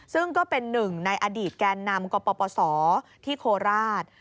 ซึ่งก็เป็นหนึ่งในอดีตแกนนำกปศที่โคราช